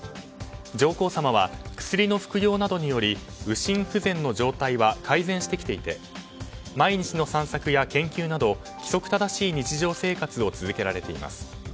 上皇さまは薬の服用などにより右心不全の状態は改善してきていて毎日の散策や研究など規則正しい日常生活を続けられています。